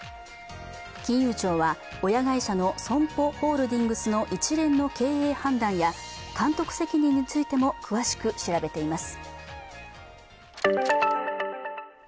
金融庁は親会社のＳＯＭＰＯホールディングスの一連の経営判断や監督責任についても詳しく調べています。